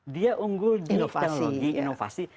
dia unggul di inovasi